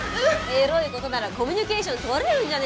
エロい事ならコミュニケーション取れるんじゃねえか。